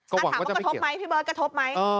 ถามว่ากระทบไหมพี่เบิร์ตกระทบไหม